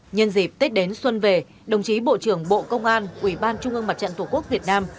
nhân dịp tết đến xuân về đồng chí bộ trưởng bộ công an ủy ban trung ương mặt trận tổ quốc việt nam